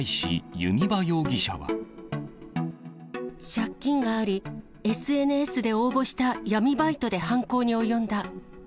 借金があり、ＳＮＳで応募した闇バイトで犯行に及んだ。